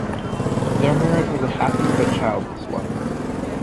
Their marriage was a happy, but childless one.